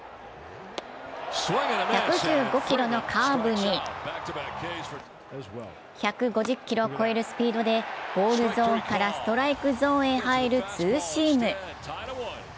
１１５キロのカーブに１５０キロを超えるスピードでボールゾーンからストライクゾーンへ入るツーシーム。